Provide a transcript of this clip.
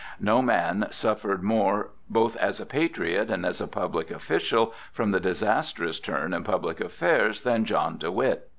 No man suffered more both as a patriot and as a public official, from the disastrous turn in public affairs than John de Witt.